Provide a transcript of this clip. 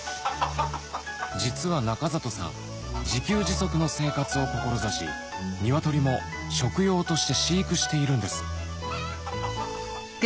実は中里さん自給自足の生活を志しニワトリも食用として飼育しているんです